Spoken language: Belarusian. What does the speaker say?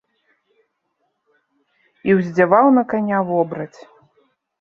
І ўздзяваў на каня вобраць.